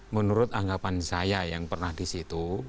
menurut anggapan saya yang pernah di situ